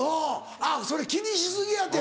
あっそれ気にし過ぎやて。